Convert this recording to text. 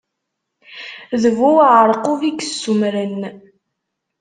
D bu uɛaṛqub i yessummṛen.